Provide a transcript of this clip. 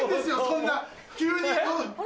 そんな急に。